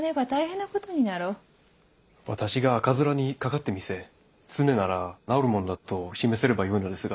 私が赤面にかかって見せ常なら治るものだと示せればよいのですが。